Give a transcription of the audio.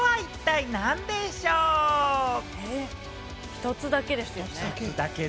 一つだけですよね？